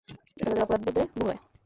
এটা তাদের অপরোধবোধে ভোগায়।